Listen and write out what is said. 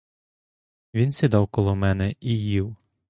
Він сідав коло мене і їв.